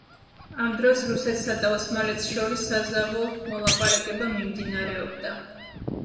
ამ დროს რუსეთსა და ოსმალეთს შორის საზავო მოლაპარაკება მიმდინარეობდა.